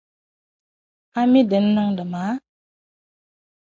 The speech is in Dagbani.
A mi din niŋdi maa?